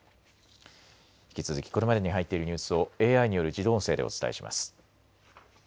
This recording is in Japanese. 引き続きこれまでに入っているニュースをＡＩによる自動音声でお伝えします。